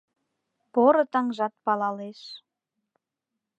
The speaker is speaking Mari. Поро таҥжат палалеш.